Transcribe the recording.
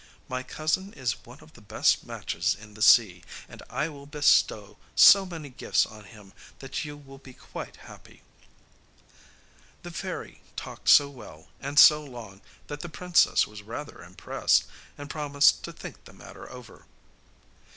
My cousin is one of the best matches in the sea, and I will bestow so many gifts on him that you will be quite happy.' The fairy talked so well and so long that the princess was rather impressed, and promised to think the matter over.